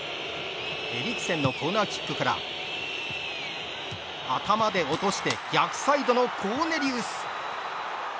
エリクセンのコーナーキックから頭で落として逆サイドのコーネリウス。